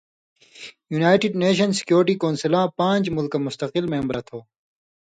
یونائٹڈ نیشن سیکورٹی کونسلاں پان٘ژ مُلکہ مستقل مېمبرہ تھو،